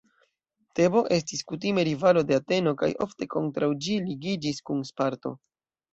Tebo estis kutime rivalo de Ateno kaj ofte kontraŭ ĝi ligiĝis kun Sparto.